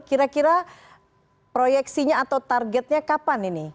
kira kira proyeksinya atau targetnya kapan ini